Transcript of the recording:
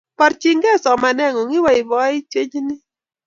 Porchikey somaneng'ung' ,ipoipoityechini